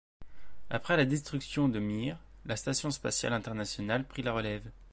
Après la destruction de Mir, la station spatiale internationale prit la relève.